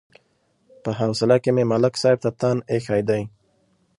په حوصله کې مې ملک صاحب ته تن ایښی دی.